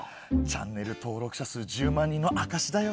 チャンネル登録者数１０万人の証しだよ。